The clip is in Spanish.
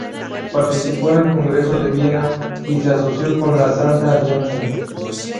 Participó en el Congreso de Viena y se asoció con la Santa Alianza.